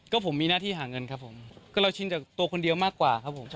ก็ผมมีหน้าที่หาเงินครับผมก็เราชินจากตัวคนเดียวมากกว่าครับผม